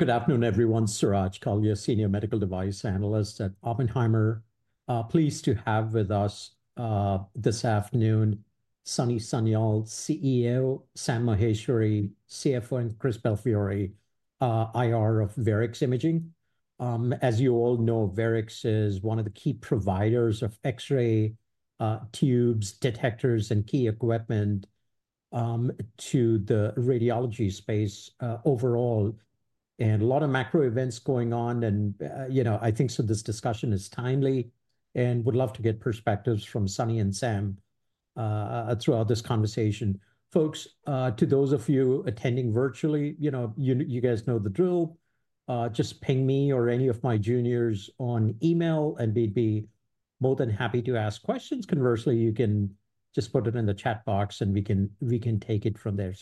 Good afternoon, everyone. Suraj Kalia, Senior Medical Device Analyst at Oppenheimer. Pleased to have with us this afternoon, Sunny Sanyal, CEO, Sam Maheshwari, CFO, and Chris Belfiore, IR of Varex Imaging. As you all know, Varex is one of the key providers of X-ray tubes, detectors, and key equipment to the radiology space overall. A lot of macro events going on. You know, I think this discussion is timely and would love to get perspectives from Sunny and Sam throughout this conversation. Folks, to those of you attending virtually, you know, you guys know the drill. Just ping me or any of my juniors on email, and we'd be more than happy to ask questions. Conversely, you can just put it in the chat box, and we can take it from there.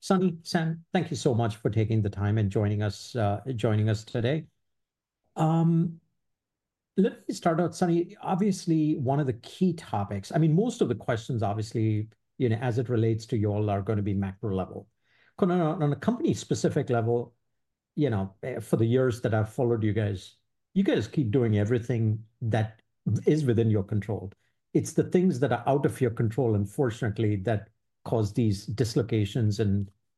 Sunny, Sam, thank you so much for taking the time and joining us today. Let me start out. Sunny, obviously, one of the key topics, I mean, most of the questions, obviously, you know, as it relates to you all, are going to be macro level. On a company-specific level, you know, for the years that I've followed you guys, you guys keep doing everything that is within your control. It's the things that are out of your control, unfortunately, that cause these dislocations.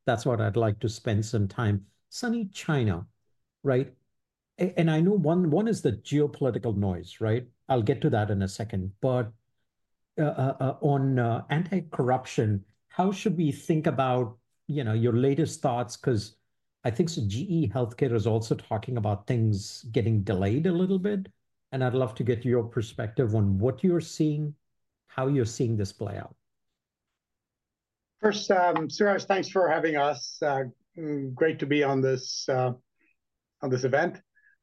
That's what I'd like to spend some time. Sunny, China, right? I know one is the geopolitical noise, right? I'll get to that in a second. On anti-corruption, how should we think about, you know, your latest thoughts? Because I think GE Healthcare is also talking about things getting delayed a little bit. I'd love to get your perspective on what you're seeing, how you're seeing this play out. First, Suraj, thanks for having us. Great to be on this event.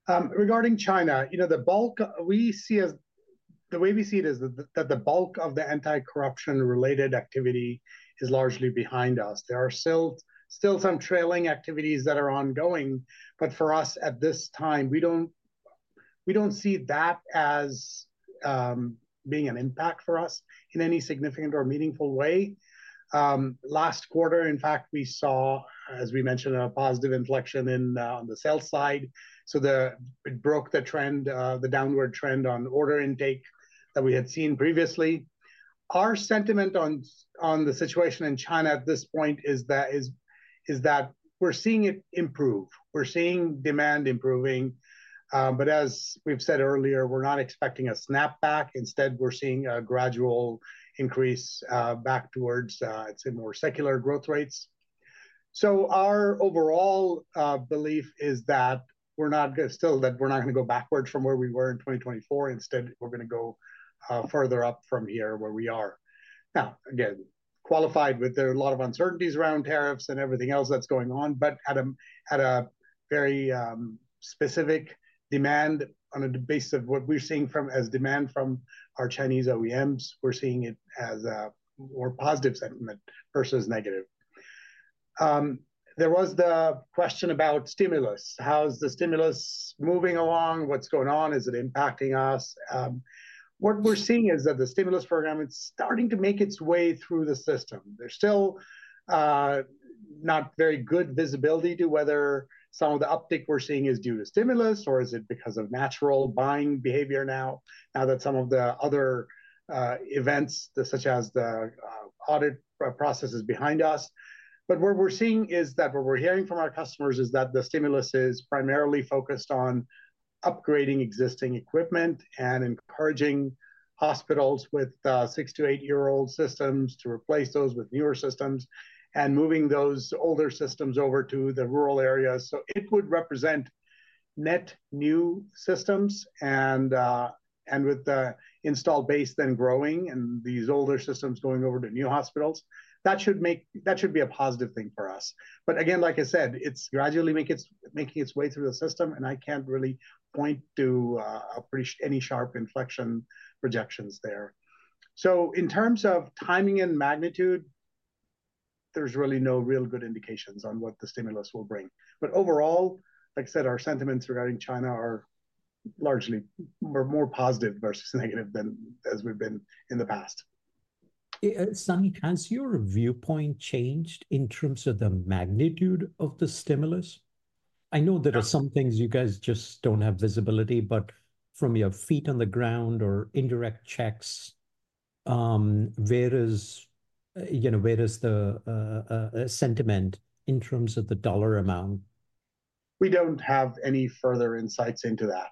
Regarding China, you know, the bulk we see as the way we see it is that the bulk of the anti-corruption-related activity is largely behind us. There are still some trailing activities that are ongoing. For us at this time, we don't see that as being an impact for us in any significant or meaningful way. Last quarter, in fact, we saw, as we mentioned, a positive inflection on the sales side. It broke the trend, the downward trend on order intake that we had seen previously. Our sentiment on the situation in China at this point is that we're seeing it improve. We're seeing demand improving. As we've said earlier, we're not expecting a snapback. Instead, we're seeing a gradual increase back towards, I'd say, more secular growth rates. Our overall belief is that we're not going to go backward from where we were in 2024. Instead, we're going to go further up from here where we are. Again, qualified with a lot of uncertainties around tariffs and everything else that's going on. At a very specific demand on the basis of what we're seeing as demand from our Chinese OEMs, we're seeing it as a more positive sentiment versus negative. There was the question about stimulus. How is the stimulus moving along? What's going on? Is it impacting us? What we're seeing is that the stimulus program is starting to make its way through the system. There's still not very good visibility to whether some of the uptick we're seeing is due to stimulus, or is it because of natural buying behavior now, now that some of the other events, such as the audit process, is behind us. What we're seeing is that what we're hearing from our customers is that the stimulus is primarily focused on upgrading existing equipment and encouraging hospitals with six to eight-year-old systems to replace those with newer systems and moving those older systems over to the rural areas. It would represent net new systems and with the installed base then growing and these older systems going over to new hospitals. That should be a positive thing for us. Again, like I said, it's gradually making its way through the system. I can't really point to any sharp inflection projections there. In terms of timing and magnitude, there's really no real good indications on what the stimulus will bring. But overall, like I said, our sentiments regarding China are largely more positive versus negative than as we've been in the past. Sunny, has your viewpoint changed in terms of the magnitude of the stimulus? I know there are some things you guys just do not have visibility. But from your feet on the ground or indirect checks, where is, you know, where is the sentiment in terms of the dollar amount? We do not have any further insights into that.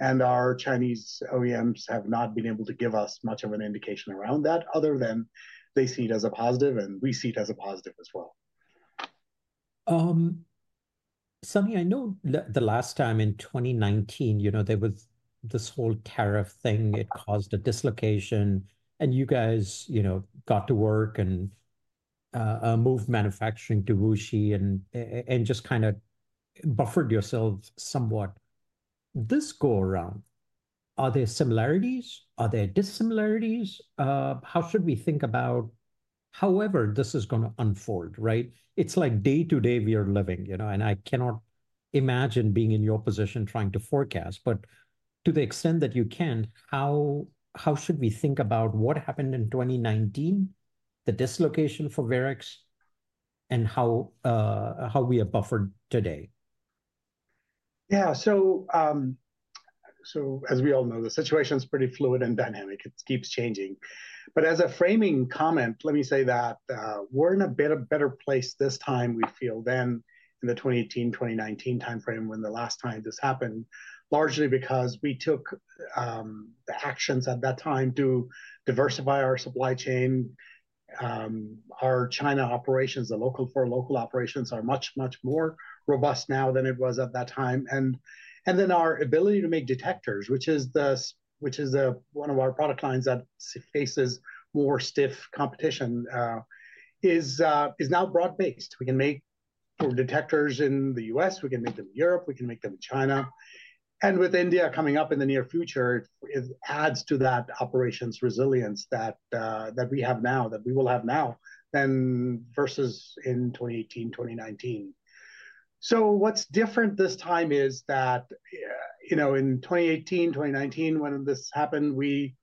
Our Chinese OEMs have not been able to give us much of an indication around that other than they see it as a positive, and we see it as a positive as well. Sunny, I know the last time in 2019, you know, there was this whole tariff thing. It caused a dislocation. You guys, you know, got to work and moved manufacturing to Wuxi and just kind of buffered yourselves somewhat. This go around, are there similarities? Are there dissimilarities? How should we think about however this is going to unfold, right? It's like day to day we are living, you know. I cannot imagine being in your position trying to forecast. To the extent that you can, how should we think about what happened in 2019, the dislocation for Varex, and how we are buffered today? Yeah. As we all know, the situation is pretty fluid and dynamic. It keeps changing. As a framing comment, let me say that we're in a better place this time, we feel, than in the 2018, 2019 timeframe when the last time this happened, largely because we took the actions at that time to diversify our supply chain. Our China operations, the local for local operations, are much, much more robust now than it was at that time. Our ability to make detectors, which is one of our product lines that faces more stiff competition, is now broad-based. We can make detectors in the U.S. We can make them in Europe. We can make them in China. With India coming up in the near future, it adds to that operations resilience that we have now, that we will have now, then versus in 2018, 2019. What's different this time is that, you know, in 2018, 2019, when this happened, we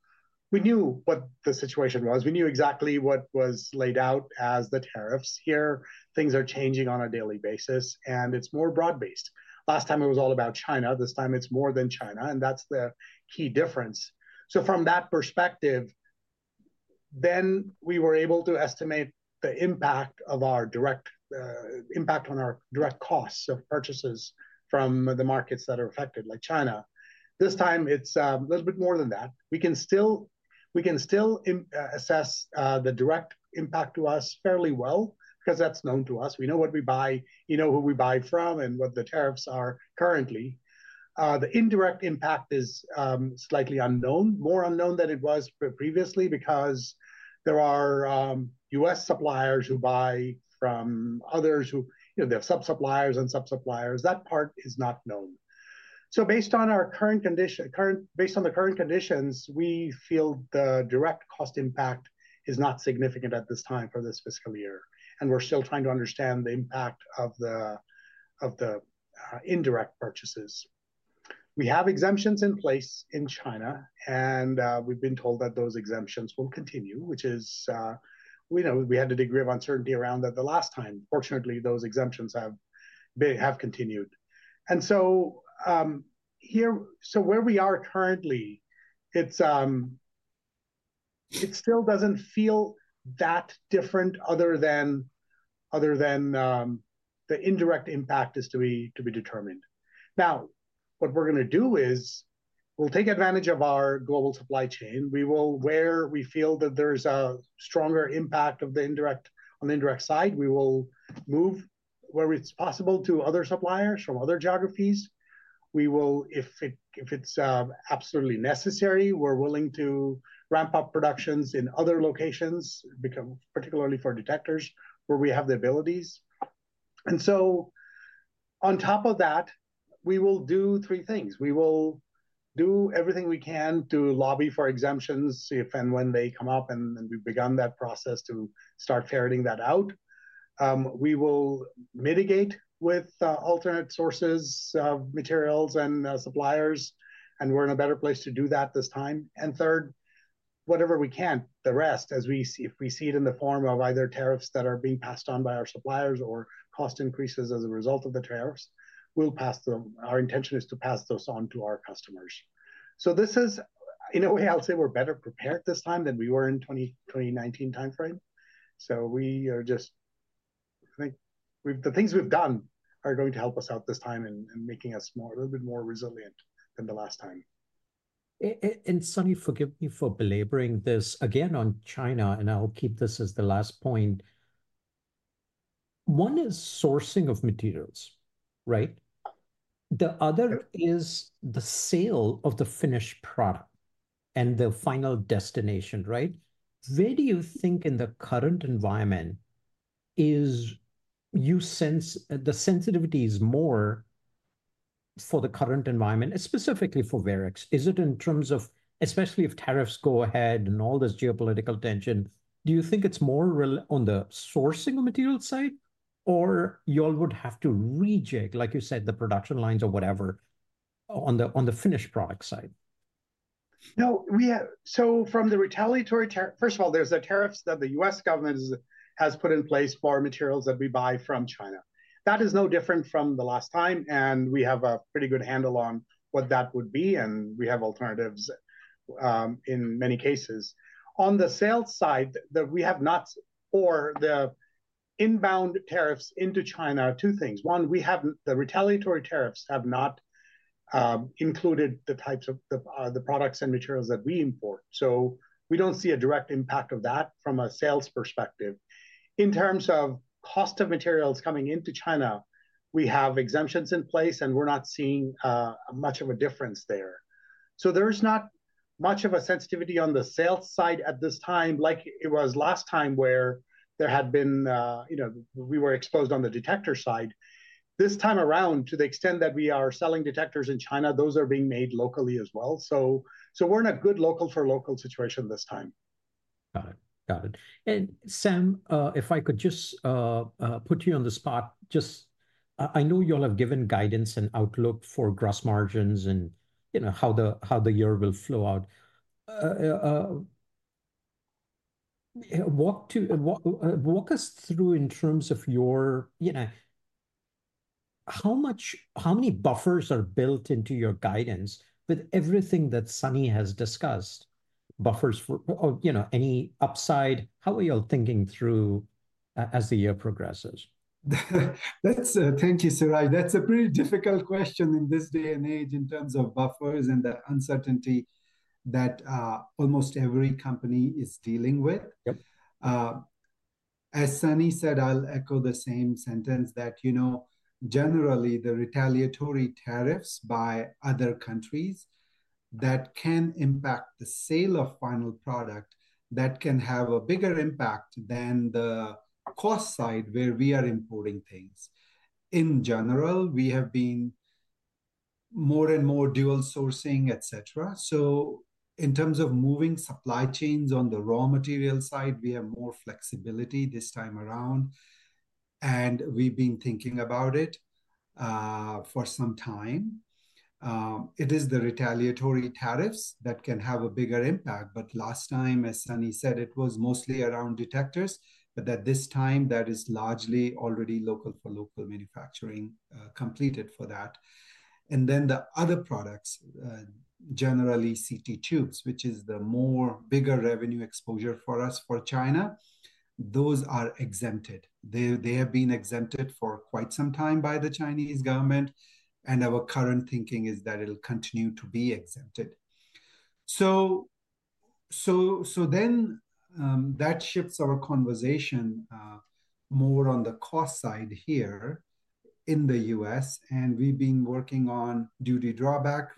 knew what the situation was. We knew exactly what was laid out as the tariffs here. Things are changing on a daily basis. It's more broad-based. Last time, it was all about China. This time, it's more than China. That's the key difference. From that perspective, we were able to estimate the impact of our direct impact on our direct costs of purchases from the markets that are affected, like China. This time, it's a little bit more than that. We can still assess the direct impact to us fairly well because that's known to us. We know what we buy, we know who we buy from, and what the tariffs are currently. The indirect impact is slightly unknown, more unknown than it was previously because there are US suppliers who buy from others who they have sub-suppliers and sub-suppliers. That part is not known. Based on our current condition, based on the current conditions, we feel the direct cost impact is not significant at this time for this fiscal year. We're still trying to understand the impact of the indirect purchases. We have exemptions in place in China. We've been told that those exemptions will continue, which is, you know, we had a degree of uncertainty around that the last time. Fortunately, those exemptions have continued. Where we are currently, it still does not feel that different other than the indirect impact is to be determined. What we're going to do is we'll take advantage of our global supply chain. We will, where we feel that there's a stronger impact on the indirect side, move where it's possible to other suppliers from other geographies. If it's absolutely necessary, we're willing to ramp up productions in other locations, particularly for detectors, where we have the abilities. On top of that, we will do three things. We will do everything we can to lobby for exemptions if and when they come up. We've begun that process to start ferreting that out. We will mitigate with alternate sources of materials and suppliers. We're in a better place to do that this time. Third, whatever we can, the rest, as we see, if we see it in the form of either tariffs that are being passed on by our suppliers or cost increases as a result of the tariffs, we'll pass them. Our intention is to pass those on to our customers. This is, in a way, I'll say we're better prepared this time than we were in the 2019 timeframe. We are just, I think the things we've done are going to help us out this time and making us a little bit more resilient than the last time. Sunny, forgive me for belaboring this again on China, and I'll keep this as the last point. One is sourcing of materials, right? The other is the sale of the finished product and the final destination, right? Where do you think in the current environment is you sense the sensitivity is more for the current environment, specifically for Varex? Is it in terms of, especially if tariffs go ahead and all this geopolitical tension, do you think it's more on the sourcing of materials side, or you all would have to rejig, like you said, the production lines or whatever on the finished product side? No. From the retaliatory tariff, first of all, there are the tariffs that the U.S. government has put in place for materials that we buy from China. That is no different from the last time. We have a pretty good handle on what that would be. We have alternatives in many cases. On the sales side, the inbound tariffs into China are two things. One, the retaliatory tariffs have not included the types of products and materials that we import. We do not see a direct impact of that from a sales perspective. In terms of cost of materials coming into China, we have exemptions in place. We are not seeing much of a difference there. There is not much of a sensitivity on the sales side at this time, like it was last time where there had been, you know, we were exposed on the detector side. This time around, to the extent that we are selling detectors in China, those are being made locally as well. We are in a good local for local situation this time. Got it. Got it. Sam, if I could just put you on the spot, just I know you all have given guidance and outlook for gross margins and how the year will flow out. Walk us through in terms of your, you know, how many buffers are built into your guidance with everything that Sunny has discussed, buffers for, you know, any upside? How are you all thinking through as the year progresses? Thank you, Suraj. That's a pretty difficult question in this day and age in terms of buffers and the uncertainty that almost every company is dealing with. As Sunny said, I'll echo the same sentence that, you know, generally, the retaliatory tariffs by other countries that can impact the sale of final product can have a bigger impact than the cost side where we are importing things. In general, we have been more and more dual sourcing, et cetera. In terms of moving supply chains on the raw material side, we have more flexibility this time around. We've been thinking about it for some time. It is the retaliatory tariffs that can have a bigger impact. Last time, as Sunny said, it was mostly around detectors. At this time, that is largely already local for local manufacturing completed for that. The other products, generally CT tubes, which is the more bigger revenue exposure for us for China, those are exempted. They have been exempted for quite some time by the Chinese government. Our current thinking is that it'll continue to be exempted. That shifts our conversation more on the cost side here in the U.S. We have been working on duty drawback,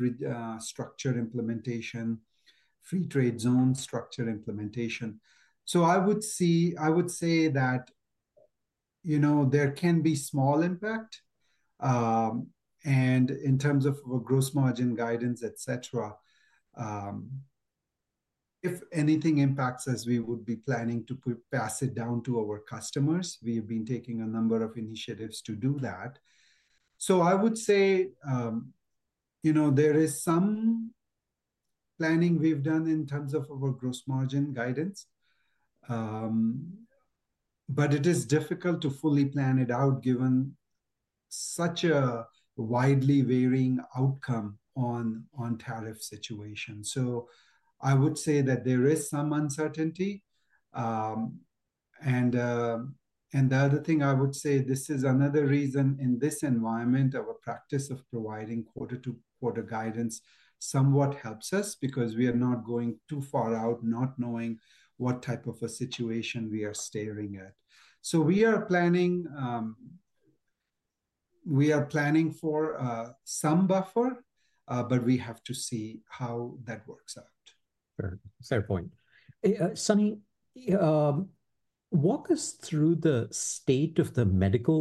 structured implementation, free trade zone structured implementation. I would say that, you know, there can be small impact. In terms of gross margin guidance, et cetera, if anything impacts us, we would be planning to pass it down to our customers. We have been taking a number of initiatives to do that. I would say, you know, there is some planning we have done in terms of our gross margin guidance. It is difficult to fully plan it out given such a widely varying outcome on tariff situation. I would say that there is some uncertainty. The other thing I would say, this is another reason in this environment of a practice of providing quarter to quarter guidance somewhat helps us because we are not going too far out not knowing what type of a situation we are staring at. We are planning, we are planning for some buffer. We have to see how that works out.